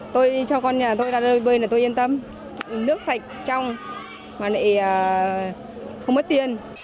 tôi cho con nhà tôi ra rơi vơi là tôi yên tâm nước sạch trong mà lại không mất tiền